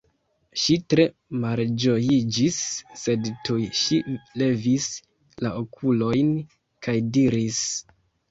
Ŝi tre malĝojiĝis, sed tuj ŝi levis la okulojn kaj diris: